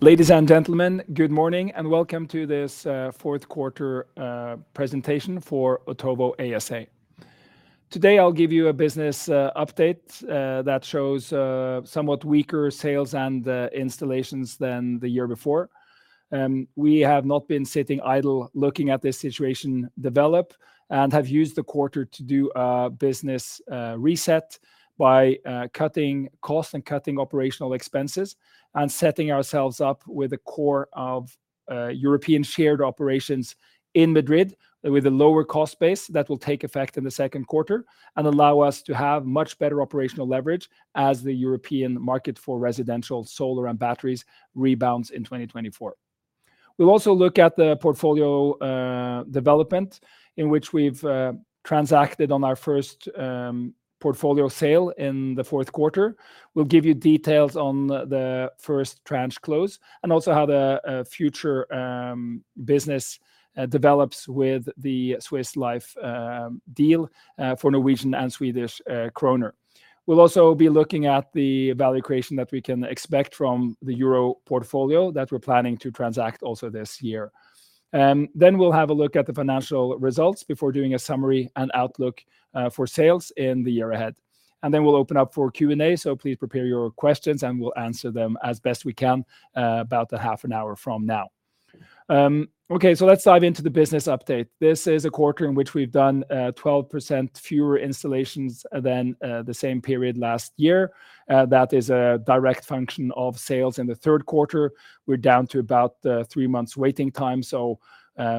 Ladies and gentlemen, good morning, and welcome to this fourth quarter presentation for Otovo ASA. Today, I'll give you a business update that shows somewhat weaker sales and installations than the year before. We have not been sitting idle, looking at this situation develop, and have used the quarter to do a business reset by cutting costs and cutting operational expenses and setting ourselves up with a core of European shared operations in Madrid, with a lower cost base that will take effect in the second quarter and allow us to have much better operational leverage as the European market for residential solar and batteries rebounds in 2024. We'll also look at the portfolio development, in which we've transacted on our first portfolio sale in the fourth quarter. We'll give you details on the first tranche close and also how the future business develops with the Swiss Life deal for Norwegian and Swedish kroner. We'll also be looking at the value creation that we can expect from the euro portfolio that we're planning to transact also this year. Then we'll have a look at the financial results before doing a summary and outlook for sales in the year ahead. Then we'll open up for Q&A, so please prepare your questions, and we'll answer them as best we can about a half an hour from now. Okay, so let's dive into the business update. This is a quarter in which we've done 12% fewer installations than the same period last year. That is a direct function of sales in the third quarter. We're down to about three months waiting time, so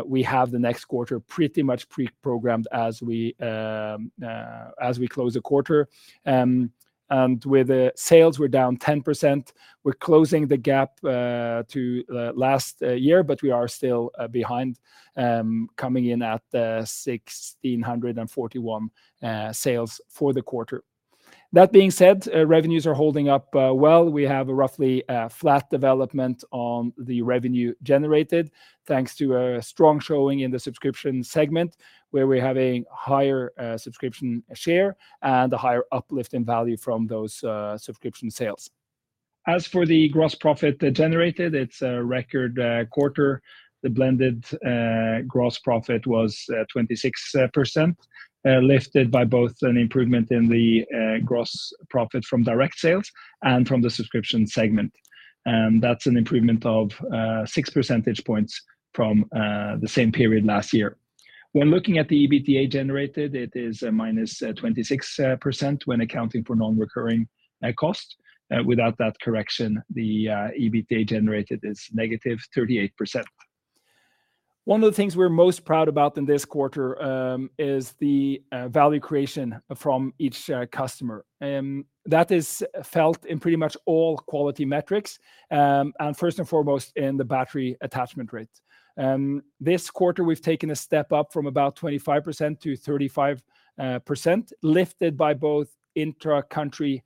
we have the next quarter pretty much pre-programmed as we close the quarter. And with the sales, we're down 10%. We're closing the gap to last year, but we are still behind, coming in at 1,641 sales for the quarter. That being said, revenues are holding up well. We have a roughly flat development on the revenue generated, thanks to a strong showing in the subscription segment, where we're having higher subscription share and a higher uplift in value from those subscription sales. As for the gross profit generated, it's a record quarter. The blended gross profit was 26% lifted by both an improvement in the gross profit from direct sales and from the subscription segment. And that's an improvement of 6 percentage points from the same period last year. When looking at the EBITDA generated, it is a -26% when accounting for non-recurring costs. Without that correction, the EBITDA generated is -38%. One of the things we're most proud about in this quarter is the value creation from each customer. That is felt in pretty much all quality metrics and first and foremost in the battery attachment rate. This quarter, we've taken a step up from about 25%-35%, lifted by both intra-country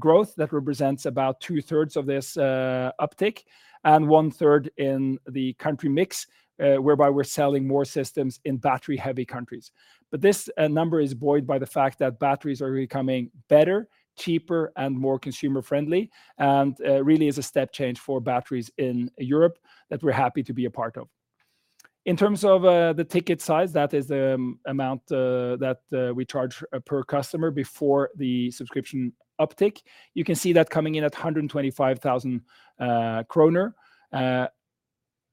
growth that represents about two-thirds of this uptick and one-third in the country mix, whereby we're selling more systems in battery-heavy countries. But this number is buoyed by the fact that batteries are becoming better, cheaper, and more consumer-friendly and really is a step change for batteries in Europe that we're happy to be a part of. In terms of the ticket size, that is the amount that we charge per customer before the subscription uptick. You can see that coming in at 125,000 kroner.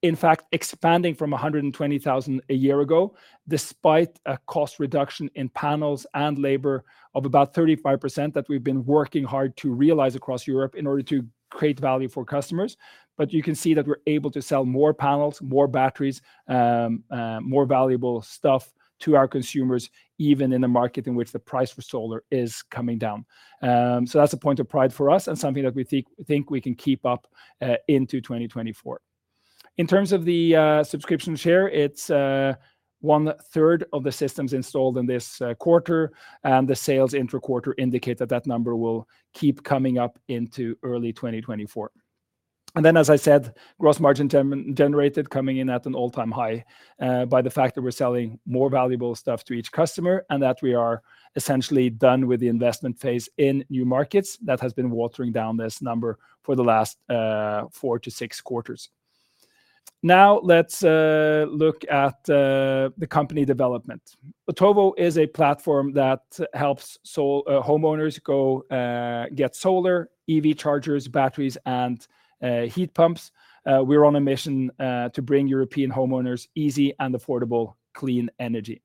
In fact, expanding from 120,000 a year ago, despite a cost reduction in panels and labor of about 35%, that we've been working hard to realize across Europe in order to create value for customers. But you can see that we're able to sell more panels, more batteries, more valuable stuff to our consumers, even in a market in which the price for solar is coming down. So that's a point of pride for us and something that we think we can keep up into 2024. In terms of the subscription share, it's one-third of the systems installed in this quarter, and the sales intra-quarter indicate that that number will keep coming up into early 2024. As I said, gross margin term-generated coming in at an all-time high, by the fact that we're selling more valuable stuff to each customer and that we are essentially done with the investment phase in new markets, that has been watering down this number for the last 4-6 quarters. Now, let's look at the company development. Otovo is a platform that helps homeowners go get solar, EV chargers, batteries, and heat pumps. We're on a mission to bring European homeowners easy and affordable clean energy.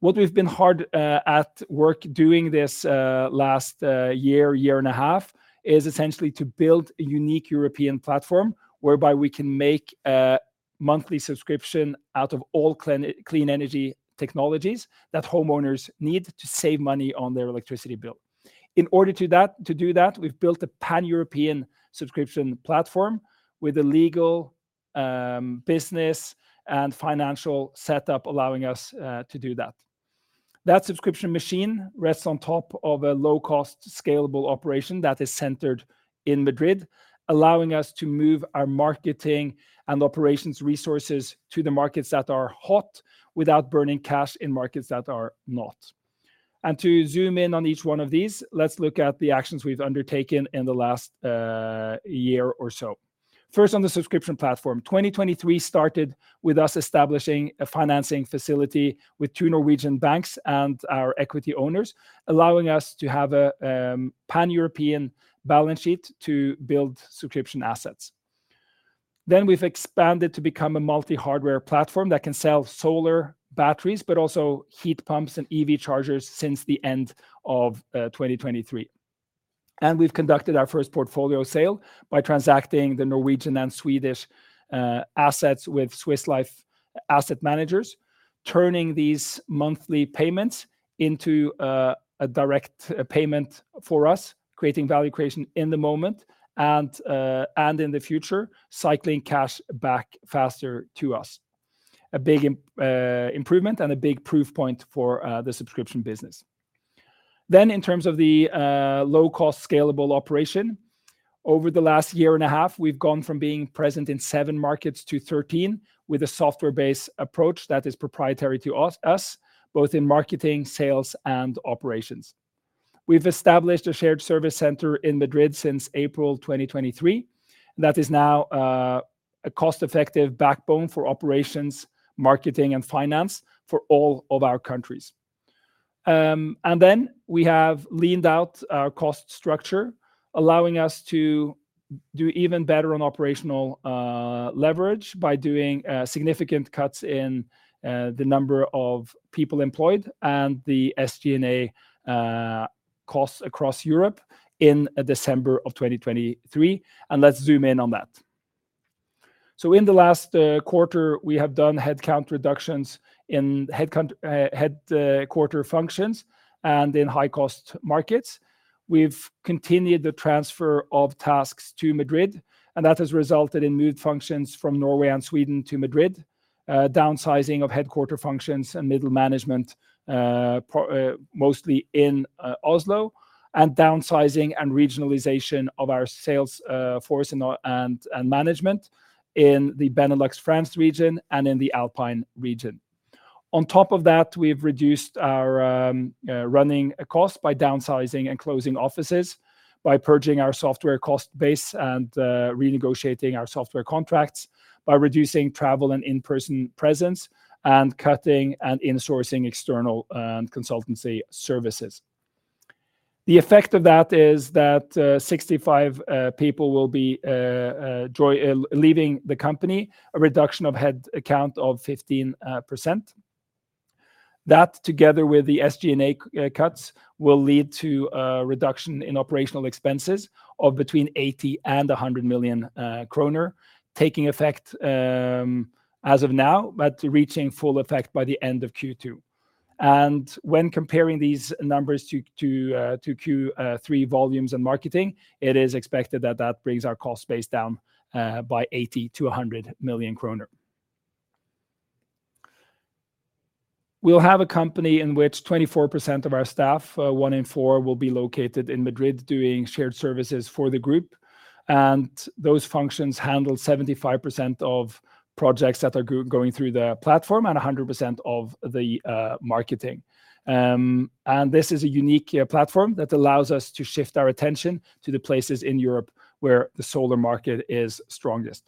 What we've been hard at work doing this last year and a half is essentially to build a unique European platform whereby we can make a monthly subscription out of all clean energy technologies that homeowners need to save money on their electricity bill. In order to that, to do that, we've built a pan-European subscription platform with a legal, business and financial setup, allowing us to do that. That subscription machine rests on top of a low-cost, scalable operation that is centered in Madrid, allowing us to move our marketing and operations resources to the markets that are hot without burning cash in markets that are not. To zoom in on each one of these, let's look at the actions we've undertaken in the last year or so. First, on the subscription platform, 2023 started with us establishing a financing facility with two Norwegian banks and our equity owners, allowing us to have a pan-European balance sheet to build subscription assets. Then we've expanded to become a multi-hardware platform that can sell solar batteries, but also heat pumps and EV chargers since the end of 2023. We've conducted our first portfolio sale by transacting the Norwegian and Swedish assets with Swiss Life Asset Managers, turning these monthly payments into a direct payment for us, creating value creation in the moment and in the future, cycling cash back faster to us. A big improvement and a big proof point for the subscription business. Then, in terms of the low-cost, scalable operation, over the last year and a half, we've gone from being present in 7 markets to 13, with a software-based approach that is proprietary to us both in marketing, sales, and operations. We've established a shared service center in Madrid since April 2023, that is now a cost-effective backbone for operations, marketing, and finance for all of our countries. And then we have leaned out our cost structure, allowing us to do even better on operational leverage by doing significant cuts in the number of people employed and the SG&A costs across Europe in December 2023. And let's zoom in on that. So in the last quarter, we have done headcount reductions in headquarters functions and in high-cost markets. We've continued the transfer of tasks to Madrid, and that has resulted in moved functions from Norway and Sweden to Madrid. Downsizing of headquarters functions and middle management, mostly in Oslo, and downsizing and regionalization of our sales force and management in the Benelux, France region and in the Alpine region. On top of that, we've reduced our running cost by downsizing and closing offices, by purging our software cost base and renegotiating our software contracts, by reducing travel and in-person presence, and cutting and insourcing external consultancy services. The effect of that is that 65 people will be leaving the company, a reduction of head count of 15%. That, together with the SG&A cuts, will lead to a reduction in operational expenses of between 80 million and 100 million kroner, taking effect as of now, but reaching full effect by the end of Q2. When comparing these numbers to Q3 volumes and marketing, it is expected that that brings our cost base down by 80 million-100 million kroner. We'll have a company in which 24% of our staff, one in four, will be located in Madrid, doing shared services for the group, and those functions handle 75% of projects that are going through the platform and 100% of the marketing. And this is a unique platform that allows us to shift our attention to the places in Europe where the solar market is strongest.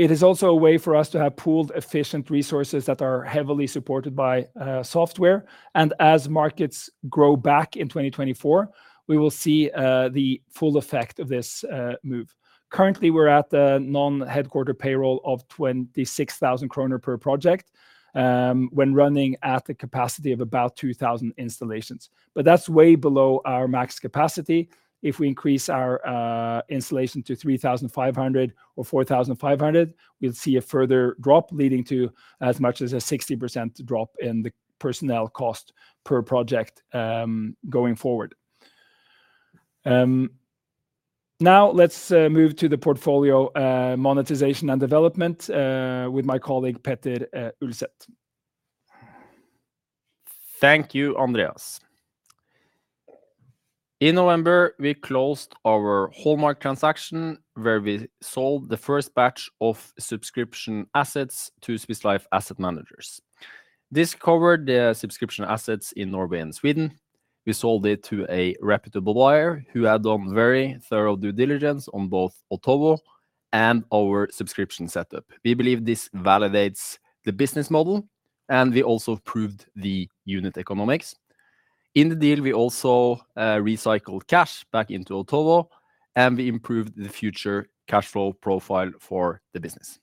It is also a way for us to have pooled efficient resources that are heavily supported by software. And as markets grow back in 2024, we will see the full effect of this move. Currently, we're at the non-headquarter payroll of 26,000 kroner per project, when running at the capacity of about 2,000 installations. But that's way below our max capacity. If we increase our installation to 3,500 or 4,500, we'll see a further drop, leading to as much as a 60% drop in the personnel cost per project, going forward. Now let's move to the portfolio monetization and development with my colleague, Petter Ulset. Thank you, Andreas. In November, we closed our hallmark transaction, where we sold the first batch of subscription assets to Swiss Life Asset Managers. This covered the subscription assets in Norway and Sweden. We sold it to a reputable buyer, who had done very thorough due diligence on both Otovo and our subscription setup. We believe this validates the business model, and we also proved the unit economics. In the deal, we also recycled cash back into Otovo, and we improved the future cash flow profile for the business.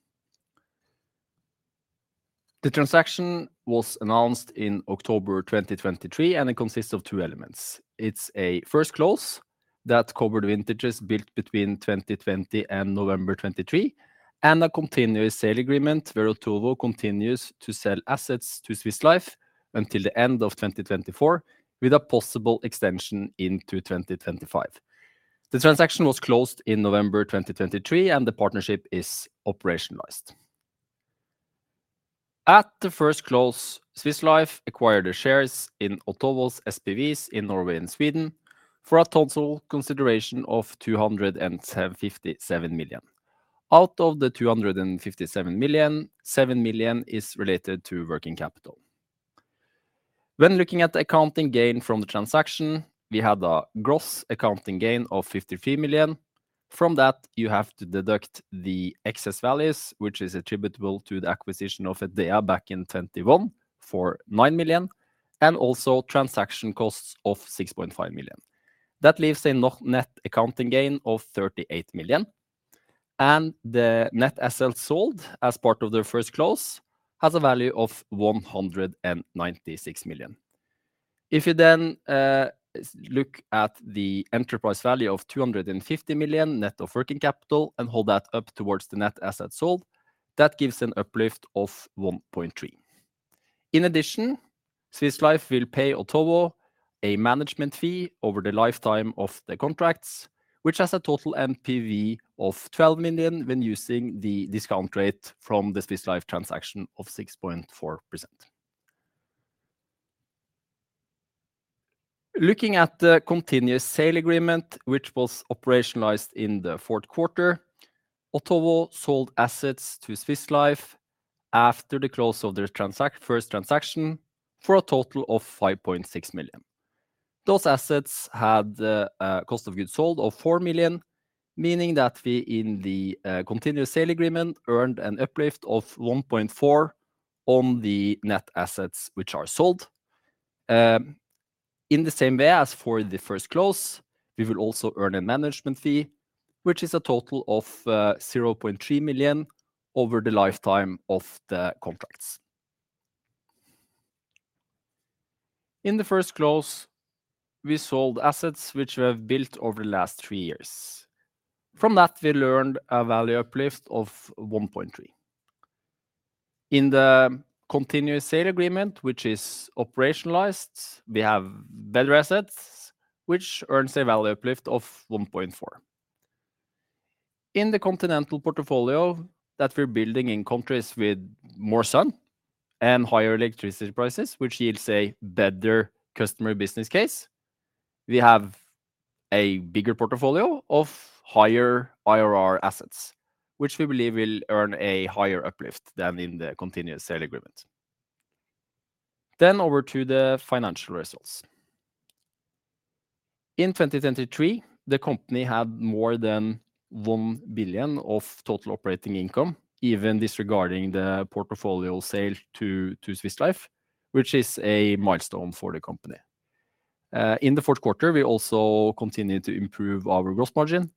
The transaction was announced in October 2023, and it consists of two elements. It's a first close that covered vintages built between 2020 and November 2023, and a continuous sale agreement, where Otovo continues to sell assets to Swiss Life until the end of 2024, with a possible extension into 2025. The transaction was closed in November 2023, and the partnership is operationalized. At the first close, Swiss Life acquired the shares in Otovo's SPVs in Norway and Sweden for a total consideration of 257 million. Out of the 257 million, 7 million is related to working capital. When looking at the accounting gain from the transaction, we had a gross accounting gain of 53 million. From that, you have to deduct the excess values, which is attributable to the acquisition of Edea back in 2021 for 9 million, and also transaction costs of 6.5 million. That leaves a net accounting gain of 38 million, and the net assets sold as part of their first close has a value of 196 million. If you then, look at the enterprise value of 250 million net of working capital and hold that up towards the net assets sold, that gives an uplift of 1.3. In addition, Swiss Life will pay Otovo a management fee over the lifetime of the contracts, which has a total NPV of 12 million when using the discount rate from the Swiss Life transaction of 6.4%. Looking at the continuous sale agreement, which was operationalized in the fourth quarter, Otovo sold assets to Swiss Life after the close of their first transaction, for a total of 5.6 million. Those assets had, a cost of goods sold of 4 million, meaning that we, in the, continuous sale agreement, earned an uplift of 1.4 on the net assets, which are sold. In the same way as for the first close, we will also earn a management fee, which is a total of 0.3 million over the lifetime of the contracts. In the first close, we sold assets which we have built over the last 3 years. From that, we learned a value uplift of 1.3. In the continuous sale agreement, which is operationalized, we have better assets, which earns a value uplift of 1.4. In the continental portfolio that we're building in countries with more sun and higher electricity prices, which yields a better customer business case, we have a bigger portfolio of higher IRR assets, which we believe will earn a higher uplift than in the continuous sale agreement. Then over to the financial results. In 2023, the company had more than 1 billion of total operating income, even disregarding the portfolio sale to Swiss Life, which is a milestone for the company. In the fourth quarter, we also continued to improve our gross margin,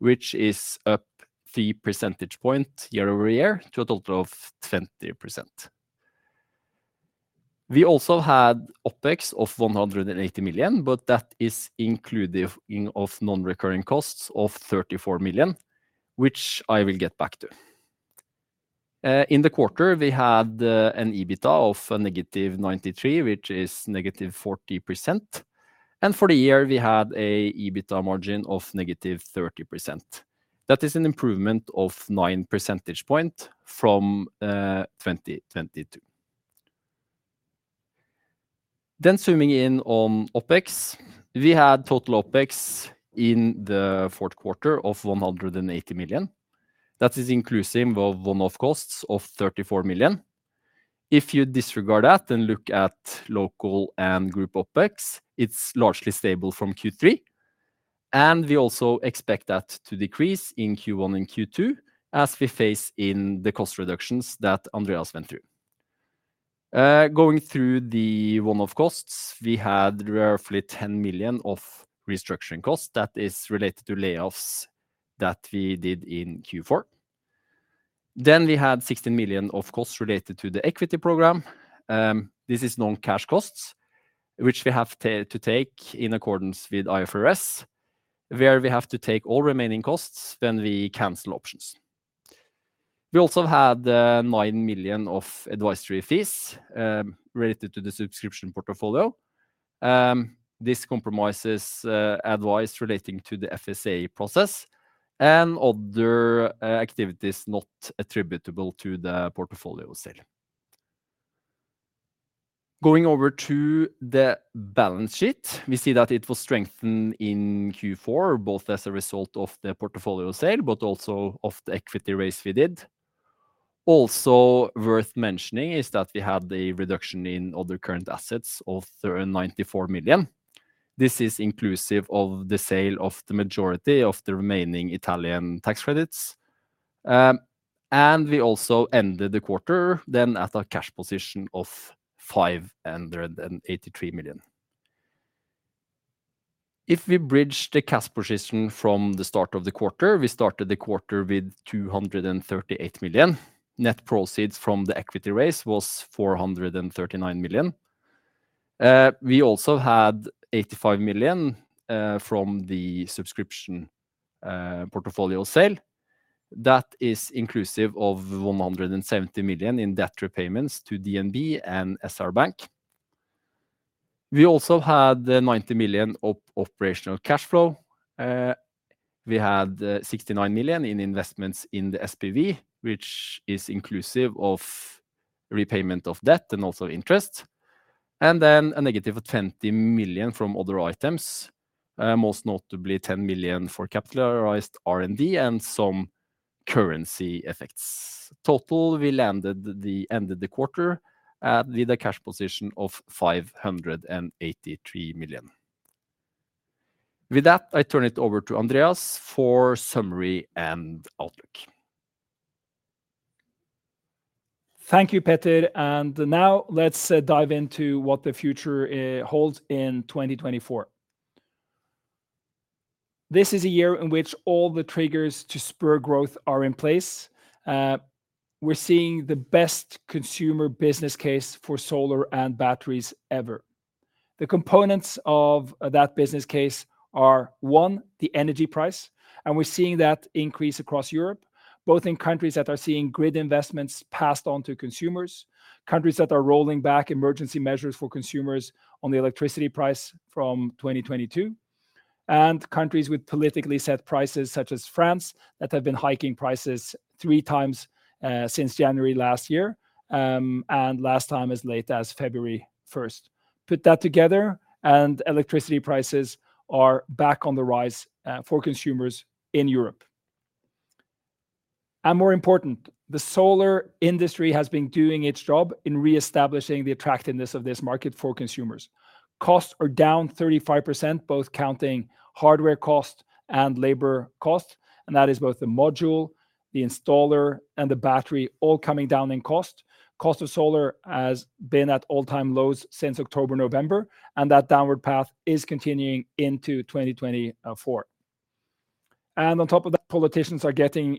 which is up 3 percentage point year-over-year to a total of 20%. We also had OpEx of 180 million, but that is inclusive of non-recurring costs of 34 million, which I will get back to. In the quarter, we had an EBITDA of negative 93 million, which is negative 40%, and for the year, we had an EBITDA margin of negative 30%. That is an improvement of 9 percentage point from 2022. Then zooming in on OpEx. We had total OpEx in the fourth quarter of 180 million. That is inclusive of one-off costs of 34 million. If you disregard that and look at local and group OpEx, it's largely stable from Q3, and we also expect that to decrease in Q1 and Q2 as we factor in the cost reductions that Andreas went through. Going through the one-off costs, we had roughly 10 million of restructuring costs. That is related to layoffs that we did in Q4. Then we had 16 million of costs related to the equity program. This is non-cash costs, which we have to take in accordance with IFRS, where we have to take all remaining costs when we cancel options. We also had 9 million of advisory fees related to the subscription portfolio. This comprises advice relating to the FSA process and other activities not attributable to the portfolio sale. Going over to the balance sheet, we see that it will strengthen in Q4, both as a result of the portfolio sale, but also of the equity raise we did. Also worth mentioning is that we had a reduction in other current assets of 394 million. This is inclusive of the sale of the majority of the remaining Italian tax credits. And we also ended the quarter then at a cash position of 583 million. If we bridge the cash position from the start of the quarter, we started the quarter with 238 million. Net proceeds from the equity raise was 439 million. We also had 85 million from the subscription portfolio sale. That is inclusive of 170 million in debt repayments to DNB and SR Bank. We also had 90 million of operational cash flow. We had 69 million in investments in the SPV, which is inclusive of repayment of debt and also interest, and then a negative of 20 million from other items, most notably 10 million for capitalized R&D and currency effects. Total, we ended the quarter at the cash position of 583 million. With that, I turn it over to Andreas for summary and outlook. Thank you, Petter, and now let's dive into what the future holds in 2024. This is a year in which all the triggers to spur growth are in place. We're seeing the best consumer business case for solar and batteries ever. The components of that business case are, one, the energy price, and we're seeing that increase across Europe, both in countries that are seeing grid investments passed on to consumers, countries that are rolling back emergency measures for consumers on the electricity price from 2022, and countries with politically set prices, such as France, that have been hiking prices three times since January last year, and last time as late as February 1st. Put that together, and electricity prices are back on the rise for consumers in Europe. And more important, the solar industry has been doing its job in reestablishing the attractiveness of this market for consumers. Costs are down 35%, both counting hardware cost and labor cost, and that is both the module, the installer, and the battery all coming down in cost. Cost of solar has been at all-time lows since October, November, and that downward path is continuing into 2024. And on top of that, politicians are getting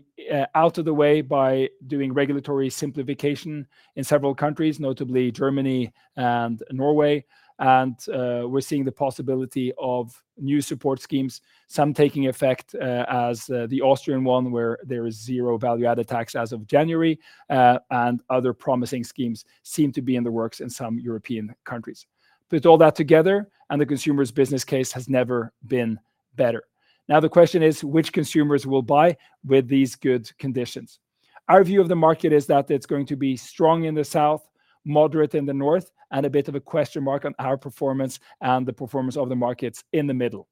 out of the way by doing regulatory simplification in several countries, notably Germany and Norway, and we're seeing the possibility of new support schemes, some taking effect as the Austrian one, where there is zero value-added tax as of January, and other promising schemes seem to be in the works in some European countries. Put all that together, and the consumer's business case has never been better. Now, the question is, which consumers will buy with these good conditions? Our view of the market is that it's going to be strong in the south, moderate in the north, and a bit of a question mark on our performance and the performance of the markets in the middle.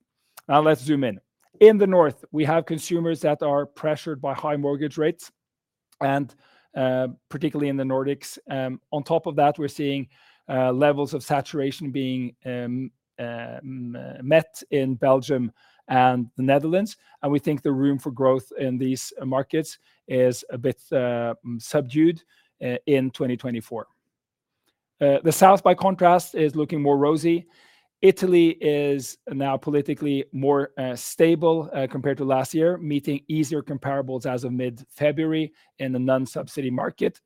Now, let's zoom in. In the north, we have consumers that are pressured by high mortgage rates and particularly in the Nordics. On top of that, we're seeing levels of saturation being met in Belgium and the Netherlands, and we think the room for growth in these markets is a bit subdued in 2024. The south, by contrast, is looking more rosy. Italy is now politically more stable compared to last year, meeting easier comparables as of mid-February in the non-subsidy market.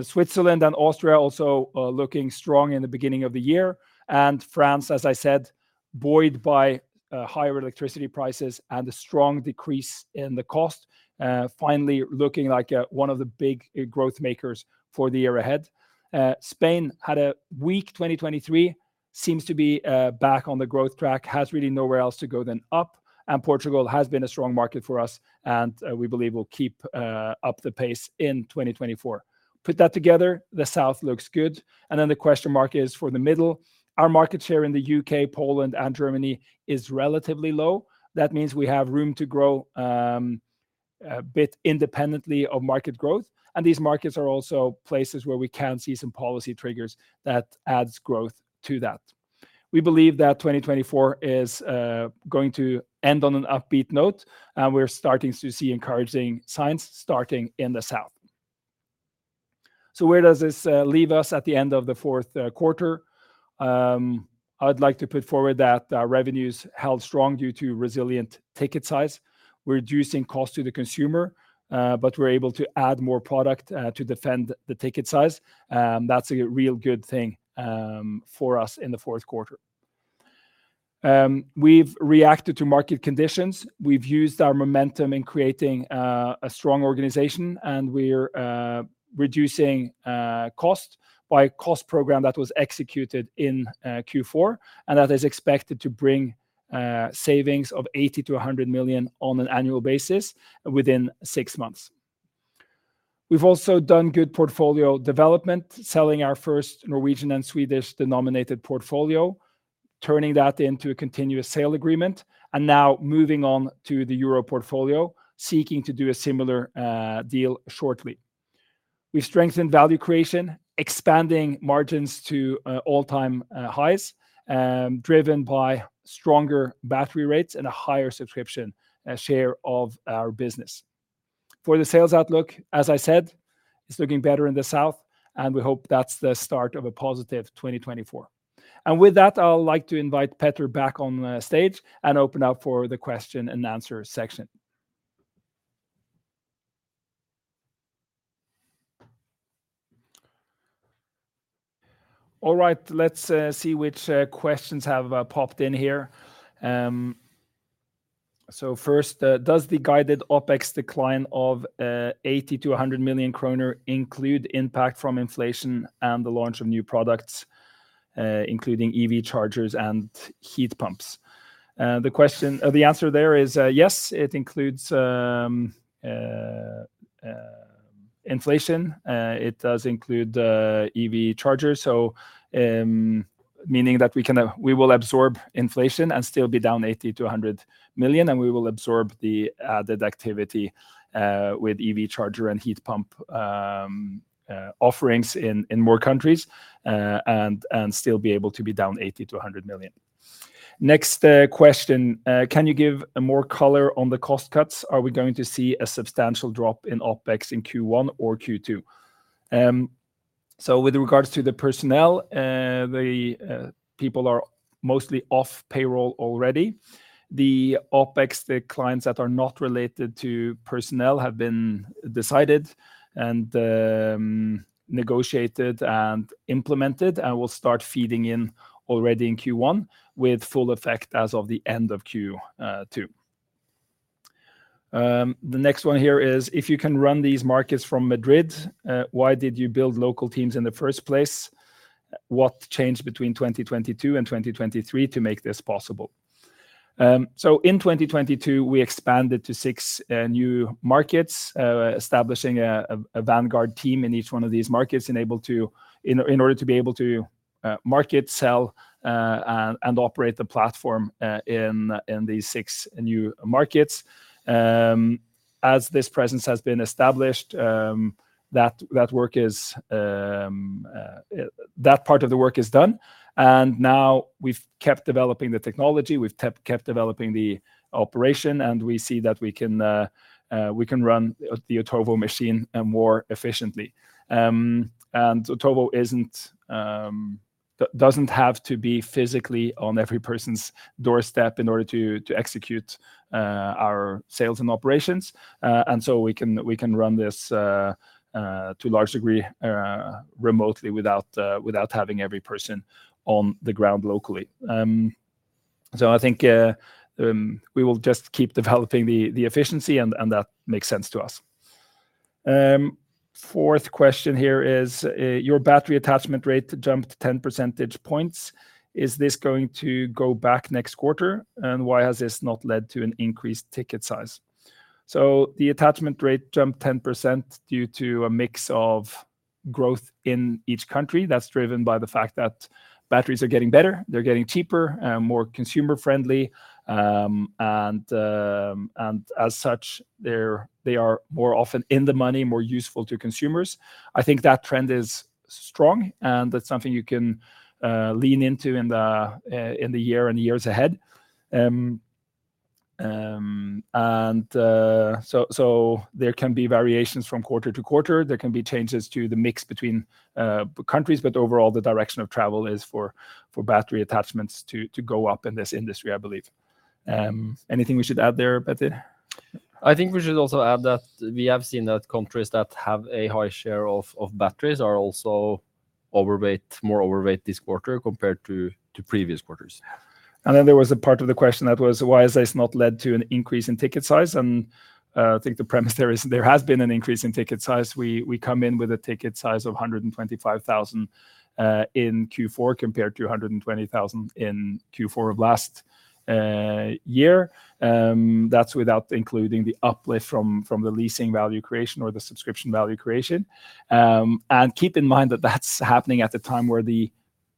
Switzerland and Austria also looking strong in the beginning of the year, and France, as I said, buoyed by higher electricity prices and a strong decrease in the cost, finally looking like one of the big growth makers for the year ahead. Spain had a weak 2023, seems to be back on the growth track, has really nowhere else to go than up, and Portugal has been a strong market for us, and we believe will keep up the pace in 2024. Put that together, the south looks good, and then the question mark is for the middle. Our market share in the U.K., Poland, and Germany is relatively low. That means we have room to grow, a bit independently of market growth, and these markets are also places where we can see some policy triggers that adds growth to that. We believe that 2024 is going to end on an upbeat note, and we're starting to see encouraging signs starting in the south. So where does this leave us at the end of the fourth quarter? I'd like to put forward that our revenues held strong due to resilient ticket size. We're reducing cost to the consumer, but we're able to add more product to defend the ticket size; that's a real good thing for us in the fourth quarter. We've reacted to market conditions. We've used our momentum in creating a strong organization, and we're reducing cost by a cost program that was executed in Q4, and that is expected to bring savings of 80 million-100 million on an annual basis within six months. We've also done good portfolio development, selling our first Norwegian and Swedish-denominated portfolio, turning that into a continuous sale agreement, and now moving on to the Euro portfolio, seeking to do a similar deal shortly. We've strengthened value creation, expanding margins to all-time highs, driven by stronger battery rates and a higher subscription share of our business. For the sales outlook, as I said, it's looking better in the south, and we hope that's the start of a positive 2024. And with that, I'd like to invite Petter back on stage and open up for the question and answer section. All right, let's see which questions have popped in here. So first, does the guided OpEx decline of 80 million-100 million kroner include impact from inflation and the launch of new products, including EV chargers and heat pumps? The answer there is yes, it includes inflation, it does include the EV charger. So meaning that we will absorb inflation and still be down 80 million-100 million, and we will absorb the added activity with EV charger and heat pump offerings in more countries, and still be able to be down 80 million-100 million. Next question. Can you give more color on the cost cuts? Are we going to see a substantial drop in OpEx in Q1 or Q2? So with regards to the personnel, the people are mostly off payroll already. The OpEx, declines that are not related to personnel, have been decided and, negotiated and implemented, and will start feeding in already in Q1, with full effect as of the end of Q2. The next one here is: If you can run these markets from Madrid, why did you build local teams in the first place? What changed between 2022 and 2023 to make this possible? So in 2022, we expanded to six new markets, establishing a vanguard team in each one of these markets, enabled to... In order to be able to market, sell, and operate the platform in these six new markets. As this presence has been established, that part of the work is done, and now we've kept developing the technology, we've kept developing the operation, and we see that we can run the Otovo machine more efficiently. And Otovo doesn't have to be physically on every person's doorstep in order to execute our sales and operations. And so we can run this to a large degree remotely without having every person on the ground locally. So I think we will just keep developing the efficiency, and that makes sense to us. Fourth question here is, your battery attachment rate jumped 10 percentage points. Is this going to go back next quarter? And why has this not led to an increased ticket size? So the attachment rate jumped 10% due to a mix of growth in each country. That's driven by the fact that batteries are getting better, they're getting cheaper, more consumer-friendly, and as such, they are more often in the money, more useful to consumers. I think that trend is strong, and that's something you can lean into in the year and years ahead. So there can be variations from quarter to quarter. There can be changes to the mix between countries, but overall, the direction of travel is for battery attachments to go up in this industry, I believe. Anything we should add there, Petter? I think we should also add that we have seen that countries that have a high share of batteries are also overweight, more overweight this quarter compared to previous quarters. And then there was a part of the question that was, why has this not led to an increase in ticket size? And, I think the premise there is there has been an increase in ticket size. We come in with a ticket size of 125,000 in Q4, compared to 120,000 in Q4 of last year. That's without including the uplift from the leasing value creation or the subscription value creation. And keep in mind that that's happening at the time where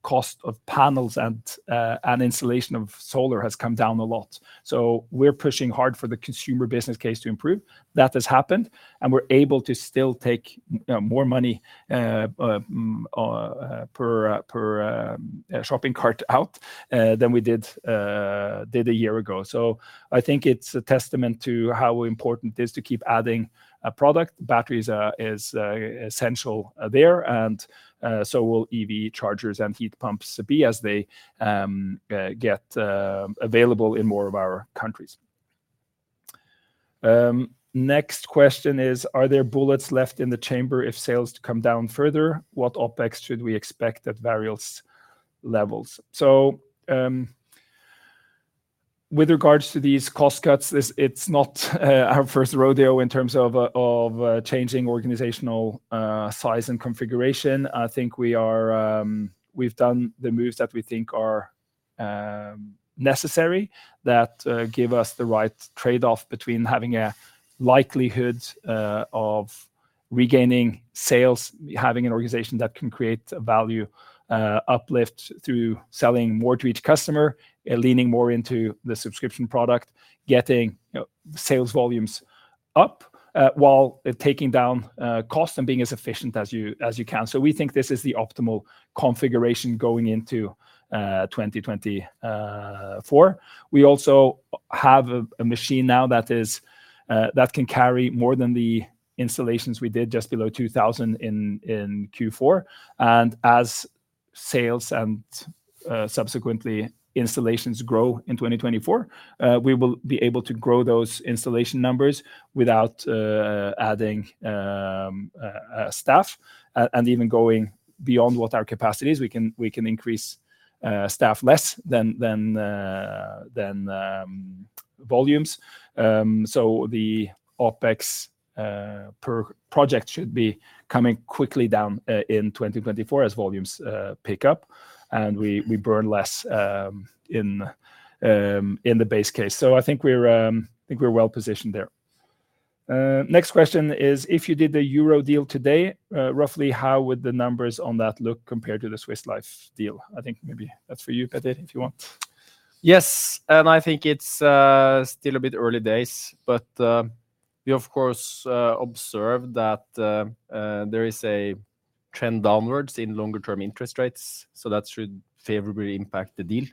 the cost of panels and installation of solar has come down a lot. So we're pushing hard for the consumer business case to improve. That has happened, and we're able to still take more money per shopping cart out than we did a year ago. So I think it's a testament to how important it is to keep adding a product. Batteries are essential there, and so will EV chargers and heat pumps be as they get available in more of our countries. Next question is: Are there bullets left in the chamber if sales come down further? What OpEx should we expect at various levels? So, with regards to these cost cuts, this is not our first rodeo in terms of changing organizational size and configuration. I think we are... We've done the moves that we think are necessary, that give us the right trade-off between having a likelihood of regaining sales, having an organization that can create a value uplift through selling more to each customer leaning more into the subscription product, getting sales volumes up while taking down cost and being as efficient as you, as you can. So we think this is the optimal configuration going into 2024. We also have a machine now that is that can carry more than the installations we did, just below 2,000 in Q4. And as sales and subsequently installations grow in 2024, we will be able to grow those installation numbers without adding staff. And even going beyond what our capacity is, we can increase staff less than volumes. So the OpEx per project should be coming quickly down in 2024 as volumes pick up, and we burn less in the base case. So I think we're well positioned there.... Next question is: if you did the Euro deal today, roughly how would the numbers on that look compared to the Swiss Life deal? I think maybe that's for you, Petter, if you want. Yes, and I think it's still a bit early days, but we of course observe that there is a trend downwards in longer term interest rates, so that should favorably impact the deal.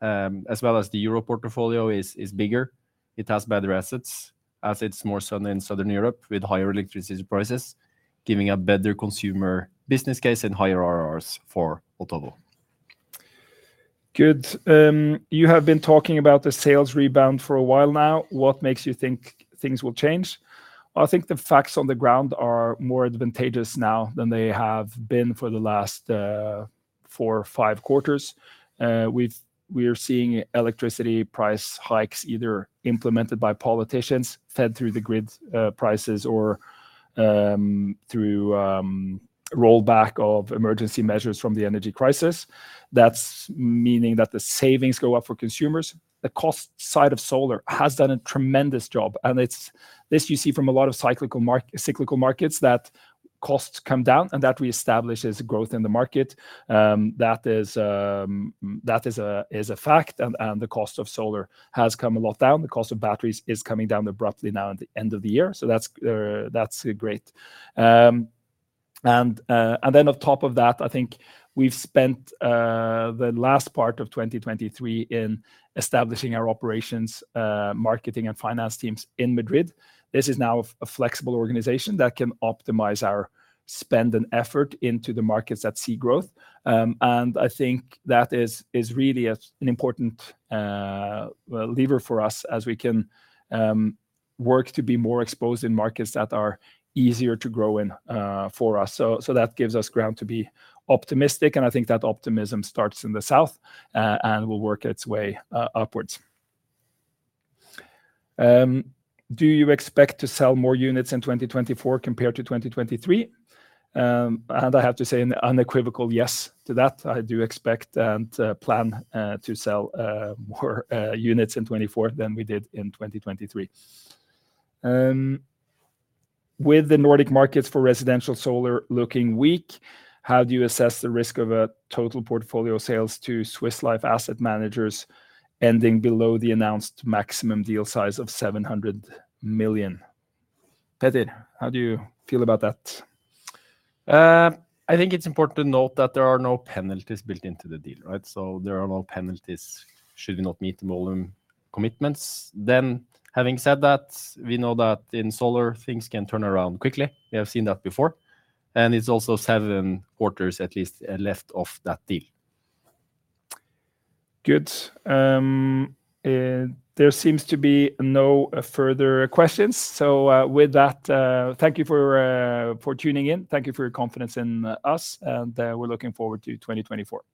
As well as the Euro portfolio is bigger, it has better assets, as it's more southern in Southern Europe with higher electricity prices, giving a better consumer business case and higher IRRs for Otovo. Good. You have been talking about the sales rebound for a while now. What makes you think things will change? I think the facts on the ground are more advantageous now than they have been for the last four or five quarters. We are seeing electricity price hikes either implemented by politicians, fed through the grid prices or through rollback of emergency measures from the energy crisis. That's meaning that the savings go up for consumers. The cost side of solar has done a tremendous job, and it's... This you see from a lot of cyclical markets, that costs come down and that reestablishes growth in the market. That is a fact, and the cost of solar has come a lot down. The cost of batteries is coming down abruptly now at the end of the year, so that's great. And then on top of that, I think we've spent the last part of 2023 in establishing our operations, marketing and finance teams in Madrid. This is now a flexible organization that can optimize our spend and effort into the markets that see growth. And I think that is really an important lever for us as we can work to be more exposed in markets that are easier to grow in for us. So that gives us ground to be optimistic, and I think that optimism starts in the south and will work its way upwards. Do you expect to sell more units in 2024 compared to 2023? And I have to say an unequivocal yes to that. I do expect and plan to sell more units in 2024 than we did in 2023. With the Nordic markets for residential solar looking weak, how do you assess the risk of a total portfolio sales to Swiss Life Asset Managers ending below the announced maximum deal size of 700 million? Petter, how do you feel about that? I think it's important to note that there are no penalties built into the deal, right? So there are no penalties should we not meet the volume commitments. Then, having said that, we know that in solar, things can turn around quickly. We have seen that before, and it's also seven quarters at least left of that deal. Good. There seems to be no further questions. So, with that, thank you for tuning in. Thank you for your confidence in us, and we're looking forward to 2024.